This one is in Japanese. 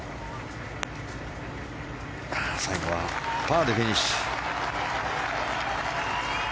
最後はパーでフィニッシュ。